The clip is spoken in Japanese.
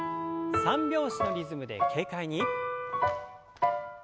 三拍子のリズムで軽快に。